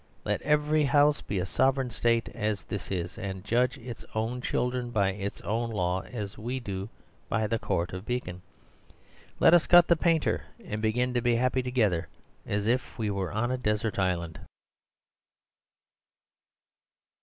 Let every house be a sovereign state as this is, and judge its own children by its own law, as we do by the Court of Beacon. Let us cut the painter, and begin to be happy together, as if we were on a desert island."